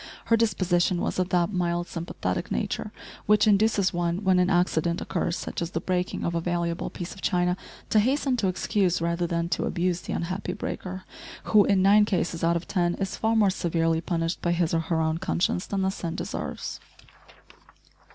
Her disposition was of that mild sympathetic nature which induces one, when an accident occurs, such as the breaking of a valuable piece of china, to hasten to excuse rather than to abuse the unhappy breaker, who, in nine cases out of ten, is far more severely punished by his or her own conscience than the sin deserves!